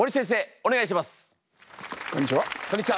お願いします。